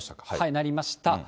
なりました。